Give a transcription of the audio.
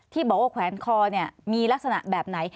ที่บอกว่าแขวนคอมีลักษณะแบบไหน